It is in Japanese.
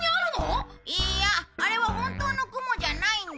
いいやあれは本当の雲じゃないんだ。